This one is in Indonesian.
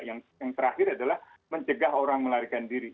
yang terakhir adalah mencegah orang melarikan diri